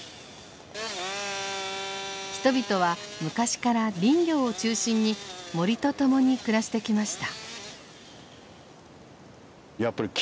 人々は昔から林業を中心に森と共に暮らしてきました。